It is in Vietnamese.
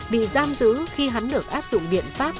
bị giam giữ khi hắn được áp dụng biện pháp